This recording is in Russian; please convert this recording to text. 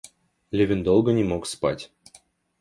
Левин долго не мог спать.